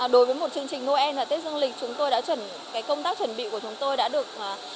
đối với một chương trình noel và tết dương lịch công tác chuẩn bị của chúng tôi đã được